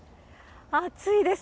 暑いです。